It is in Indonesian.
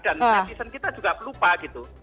dan netizen kita juga pelupa gitu